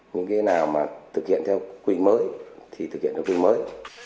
những cái nào mà thực hiện theo quy định mới thì thực hiện theo quy định mới